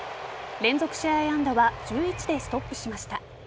連続試合安打は１１でストップしました。